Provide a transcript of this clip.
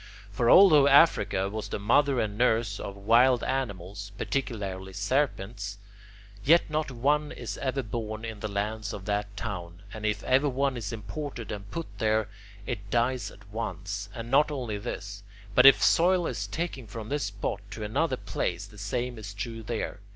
For although Africa was the mother and nurse of wild animals, particularly serpents, yet not one is ever born in the lands of that town, and if ever one is imported and put there, it dies at once; and not only this, but if soil is taken from this spot to another place, the same is true there.